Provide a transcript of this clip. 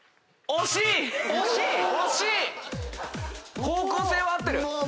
惜しい⁉方向性は合ってる。